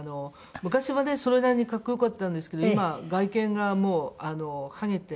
昔はねそれなりに格好良かったんですけど今は外見がもうハゲて。